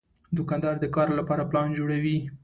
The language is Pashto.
دوکاندار د کار لپاره پلان جوړوي.